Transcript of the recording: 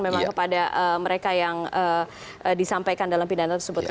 memang kepada mereka yang disampaikan dalam pidana tersebut